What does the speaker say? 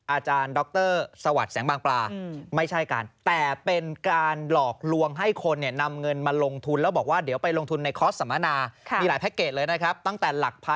อาจารย์ด็อกเตอร์สวัสดิ์แสงบางปลา